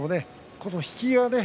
この引きがね